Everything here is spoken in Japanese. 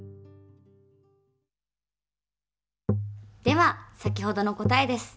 では先ほどの答えです。